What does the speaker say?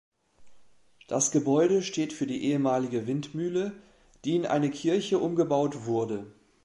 Das Gebäude steht für die ehemalige Windmühle, die in eine Kirche umgebaut wurde.